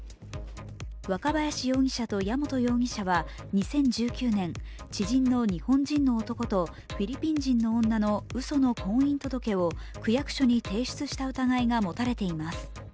若林容疑者と矢本容疑者は２０１９年、知人の日本人の男とフィリピン人の女の、うその婚姻届を区役所に提出した疑いが持たれています。